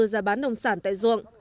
giá bán nông sản tại ruộng